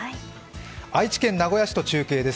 愛知県名古屋市と中継です。